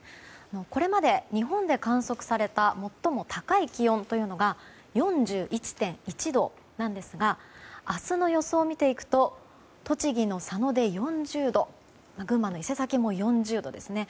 これまで日本で観測された最も高い気温というのが４１．１度なんですが明日の予想を見ていくと栃木の佐野で４０度群馬の伊勢崎も４０度ですね。